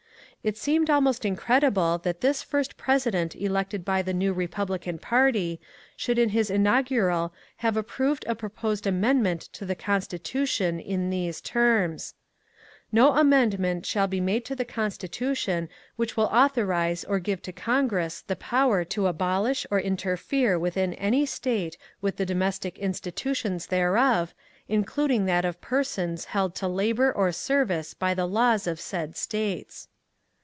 It seemed almost incredible that this first President elected by the new Bepublican party should in his inaugural have approved a proposed amendment to the Constitution in these terms :— No amendment shall be made to the Constitution which will authorize or give to Congress the power to abolish or interfere within any State with the domestic institutions thereof, in cluding that of persons held to labour or service by the laws of said States.